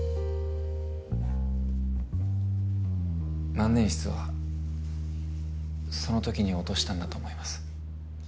万年筆はその時に落としたんだと思います。